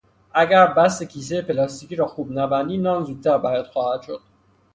اگر بست کیسهی پلاستیکی را خوب نبندی نان زودتر بیات خواهد شد.